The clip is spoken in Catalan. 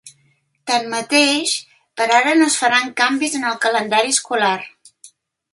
Tanmateix, per ara no es faran canvis al calendari escolar.